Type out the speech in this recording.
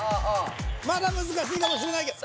まだ難しいかもしれないけど。